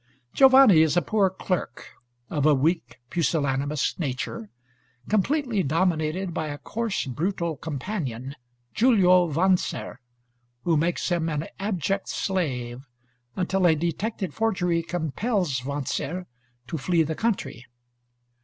Giovanni is a poor clerk, of a weak, pusillanimous nature, completely dominated by a coarse, brutal companion, Giulio Wanzer, who makes him an abject slave, until a detected forgery compels Wanzer to flee the country.